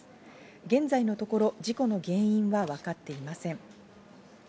現在のところ事故の原因は分かっていません。